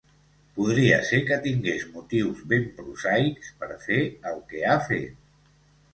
Podria ser que tingués motius ben prosaics per fer el que ha fet.